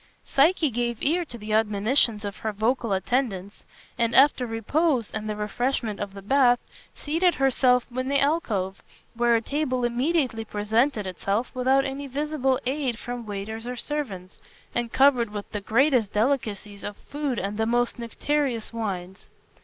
Psyche gave ear to the admonitions of her vocal attendants, and after repose and the refreshment of the bath, seated herself in the alcove, where a table immediately presented itself, without any visible aid from waiters or servants, and covered with the greatest delicacies of food and the most nectareous wines.